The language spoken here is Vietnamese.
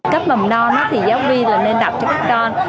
cấp mầm non thì giáo viên là nên đọc cho các con